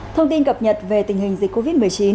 thông tin cập nhật về tình hình dịch covid một mươi chín